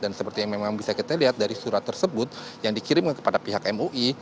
dan seperti yang memang bisa kita lihat dari surat tersebut yang dikirimkan kepada pihak mui